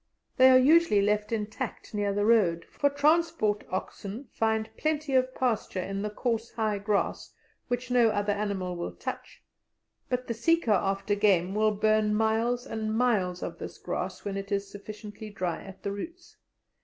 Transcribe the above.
They are usually left intact near the road, for transport oxen find plenty of pasture in the coarse high grass which no other animal will touch; but the seeker after game will burn miles and miles of this grass when it is sufficiently dry at the roots.